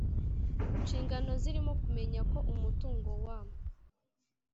nshingano zirimo kumenya ko umutungo wa